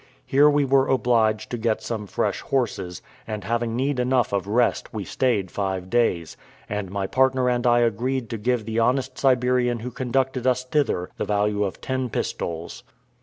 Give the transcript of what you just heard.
Here we were obliged to get some fresh horses, and having need enough of rest, we stayed five days; and my partner and I agreed to give the honest Siberian who conducted us thither the value of ten pistoles.